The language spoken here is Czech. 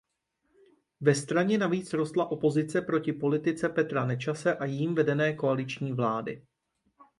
Ve straně navíc rostla opozice proti politice Petra Nečase a jím vedené koaliční vlády.